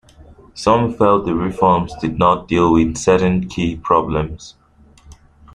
Some felt the reforms did not deal with certain key problems.